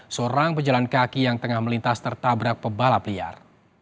seorang pejalan kaki yang tengah melintas tertabrak pebalap liar